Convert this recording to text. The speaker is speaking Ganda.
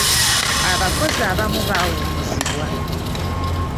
Abakozi abamu baawummuzibwa.